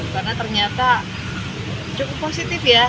karena ternyata cukup positif ya